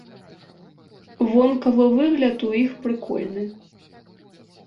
Вонкавы выгляд у іх прыкольны!